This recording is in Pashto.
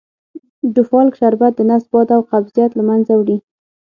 ډوفالک شربت دنس باد او قبضیت له منځه وړي .